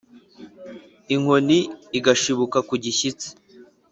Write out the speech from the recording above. inkoni igashibuka kugishyitsi,